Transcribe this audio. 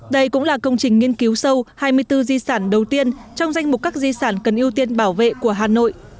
đây cũng là công trình nghiên cứu sâu hai mươi bốn di sản đầu tiên trong danh mục các di sản cần ưu tiên bảo vệ của hà nội